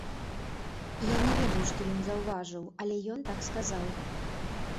Я не ведаю, што ён заўважыў, але ён так сказаў.